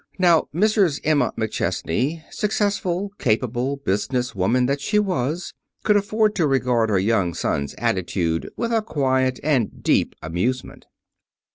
Now Mrs. Emma McChesney, successful, capable business woman that she was, could afford to regard her young son's attitude with a quiet and deep amusement.